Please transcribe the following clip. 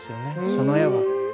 その絵は。